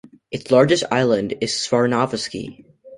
Its largest island is Sarvanovsky.